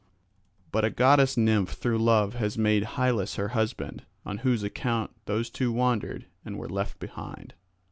But a goddess nymph through love has made Hylas her husband, on whose account those two wandered and were left behind."